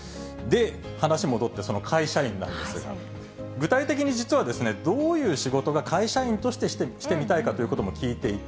話戻って、会社員なんですが、具体的に実はですね、どういう仕事が会社としてしてみたいかということも聞いていて。